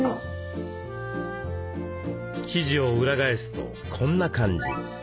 生地を裏返すとこんな感じ。